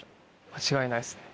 間違いないですね。